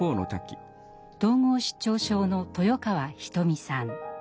統合失調症の豊川ひと美さん。